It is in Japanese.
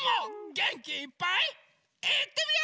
げんきいっぱいいってみよ！